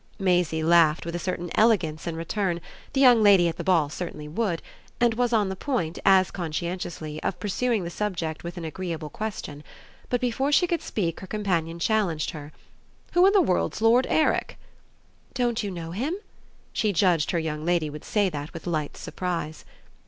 Maisie laughed, with a certain elegance, in return the young lady at the ball certainly would and was on the point, as conscientiously, of pursuing the subject with an agreeable question. But before she could speak her companion challenged her. "Who in the world's Lord Eric?" "Don't you know him?" She judged her young lady would say that with light surprise.